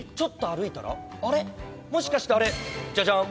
もしかしてあれジャジャン。